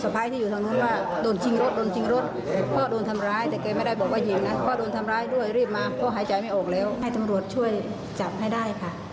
พ่อช่วยจับให้ได้ค่ะ